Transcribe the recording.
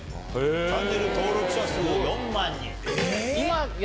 チャンネル登録者数４万人。